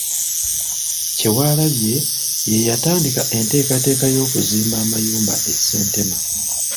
Kyewalabye y'eyatandika enteekateeka y’okuzimba amayumba e Ssentema.